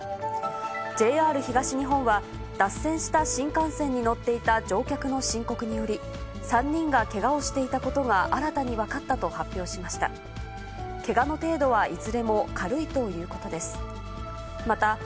ＪＲ東日本は、脱線した新幹線に乗っていた乗客の申告により、３人がけがをしていたことが新たに分かったと発表しました。